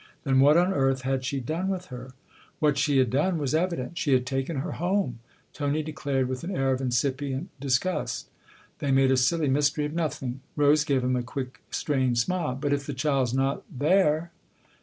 " Then what on earth had she done with her ?"" What she had done was evident : she had taken her home !" Tony declared with an air of incipient disgust. They made a silly mystery of nothing. Rose gave him a quick, strained smile. " But if the child's not there